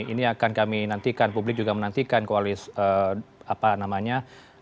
ini akan kami nantikan publik juga menantikan koalisi